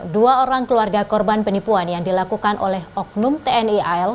dua orang keluarga korban penipuan yang dilakukan oleh oknum tni al